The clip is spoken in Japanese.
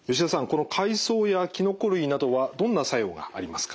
この海藻やきのこ類などはどんな作用がありますか？